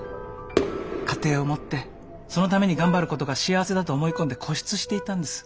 家庭を持ってそのために頑張ることが幸せだと思い込んで固執していたんです。